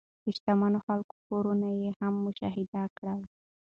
د شتمنو خلکو کورونه یې هم مشاهده کړل.